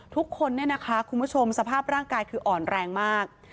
ทุกคนเนี่ยนะคะคุณผู้ชมสภาพร่างกายคืออ่อนแรงมาก